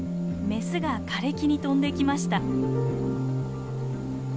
メスが枯れ木に飛んできました。